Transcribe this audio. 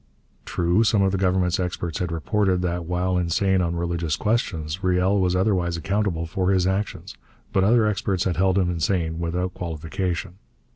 True, some of the Government's experts had reported that, while insane on religious questions, Riel was otherwise accountable for his actions, but other experts had held him insane without qualification.